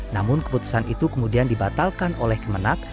namun keputusan itu kemudian dibatalkan oleh kemenang